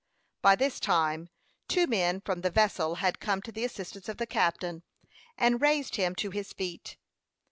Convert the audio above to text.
By this time two men from the vessel had come to the assistance of the captain, and raised him to his feet.